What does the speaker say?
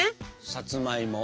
さつまいも。